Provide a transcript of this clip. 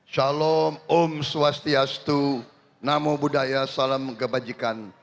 shalom om swastiastu namo buddhaya salam kebajikan